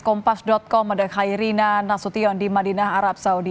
kompas com ada khairina nasution di madinah arab saudi